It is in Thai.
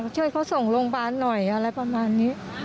ช่วยเขาส่งโรงพยาบาลหน่อยอะไรประมาณนี้